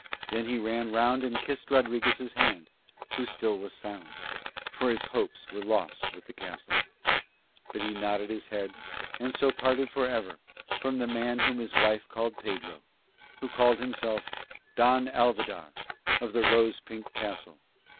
Then he ran round and kissed Rodriguez' hand, who still was silent, for his hopes were lost with the castle; but he nodded his head and so parted for ever from the man whom his wife called Pedro, who called himself Don Alvidar of the Rose pink Castle on Ebro.